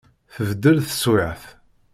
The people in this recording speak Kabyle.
Tbeddel teswiɛt.